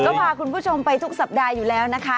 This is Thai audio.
ก็พาคุณผู้ชมไปทุกสัปดาห์อยู่แล้วนะคะ